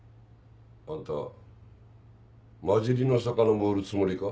あんたまじりの魚も売るつもりか？